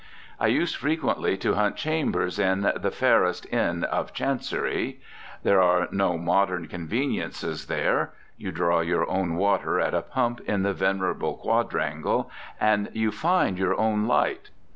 I used frequently to hunt chambers in "the fayrest Inne of Chancerie." There are no "modern conveniences" there. You draw your own water at a pump in the venerable quadrangle, and you "find" your own light.